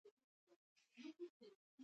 ایا زه پیاده تګ کولی شم؟